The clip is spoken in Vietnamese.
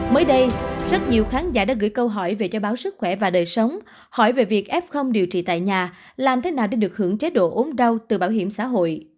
mới đây rất nhiều khán giả đã gửi câu hỏi về cho báo sức khỏe và đời sống hỏi về việc f điều trị tại nhà làm thế nào để được hưởng chế độ ốm đau từ bảo hiểm xã hội